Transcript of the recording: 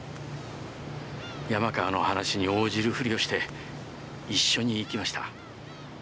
山川の話に応じるふりをして一緒に行きました。